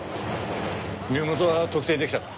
身元は特定できたか？